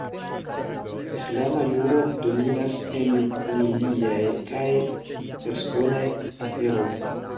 Islama juro dominas en familiaj kaj personaj aferoj.